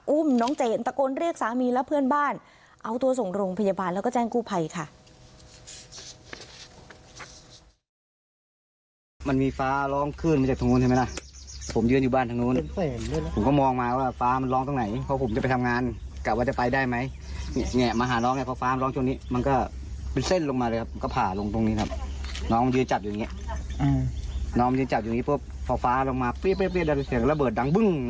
อุ้มน้องเจนตะโกนเรียกสามีและเพื่อนบ้านเอาตัวส่งโรงพยาบาลแล้วก็แจ้งกู้ภัยค่ะ